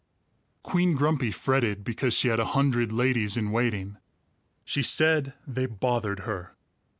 Queen Grumpy fretted because she had a hundred ladies in waiting. She said they bothered her.